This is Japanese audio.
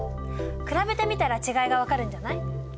比べてみたら違いが分かるんじゃない？